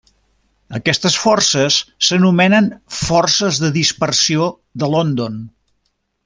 Aquestes forces s'anomenen forces de dispersió de London.